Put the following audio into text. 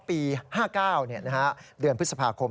ปี๕๙เดือนพฤษภาคม